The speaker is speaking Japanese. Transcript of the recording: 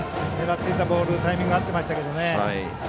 狙っていたボールタイミング合ってましたけどね。